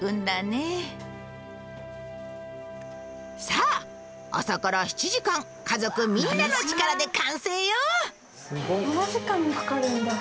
さあ朝から７時間家族みんなの力で完成よ！